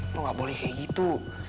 lo gak boleh kayak gitu